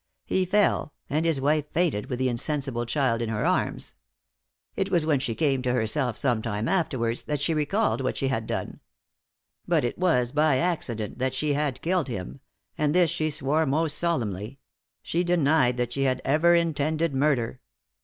He fell, and his wife fainted with the insensible child in her arms. It was when she came to herself some time afterwards that she recalled what she had done. But it was by accident that she had killed him and this she swore most solemnly; she denied that she had ever intended murder.